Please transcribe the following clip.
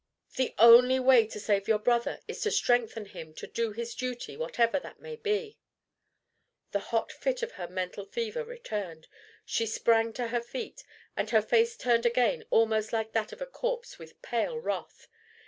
"The only way to save your brother is to strengthen him to do his duty, whatever that may be." The hot fit of her mental fever returned. She sprang to her feet, and her face turned again almost like that of a corpse with pale wrath.